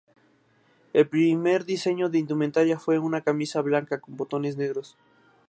El primer diseño de indumentaria fue una camisa blanca, con botones negros.